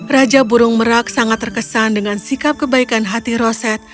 raja burung merak sangat terkesan dengan sikap kebaikan hati roset